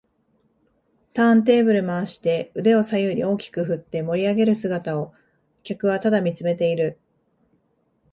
ターンテーブル回して腕を左右に大きく振って盛りあげる姿を客はただ見つめている